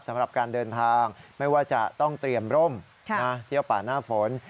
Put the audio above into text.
สำหรับการเดินทางไม่ว่าจะต้องเตรียมร่มเที่ยวป่าหน้าฝน